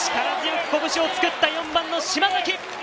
力強く拳を作った４番の島崎。